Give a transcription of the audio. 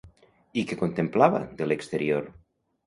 I què contemplava, de l'exterior?